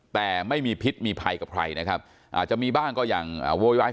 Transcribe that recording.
แต่ไม่มีพิษมีภัยกับใครนะครับอาจจะมีบ้างก็อย่างโวยวาย